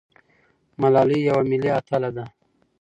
ملالۍ یوه ملي اتله ده.